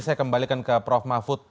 saya kembalikan ke prof mahfud